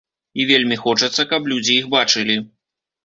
І вельмі хочацца, каб людзі іх бачылі.